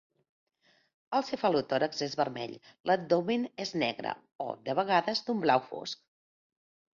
El cefalotòrax és vermell, l'abdomen és negre o, de vegades, d'un blau fosc.